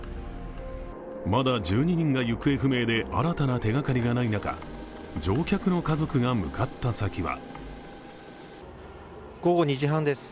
まだ１２人が行方不明で新たな手がかりがない中乗客の家族が向かった先は午後２時半です。